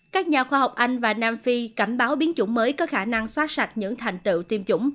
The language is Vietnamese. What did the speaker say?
các nhà khoa học anh và nam phi cảnh báo biến chủng mới có khả năng soát sạch những thành tựu tiêm chủng